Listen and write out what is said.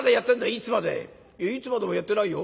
「いつまでもやってないよ。